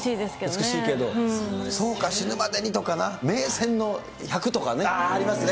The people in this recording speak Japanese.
美しいけど、そうか死ぬまでにとかな、ありますね。